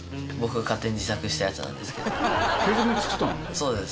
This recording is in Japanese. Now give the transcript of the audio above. そうです。